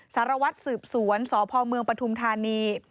สารวัตรสืบสวนสพปทุมธานี